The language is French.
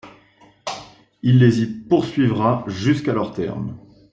Il les y poursuivra jusqu'à leur terme.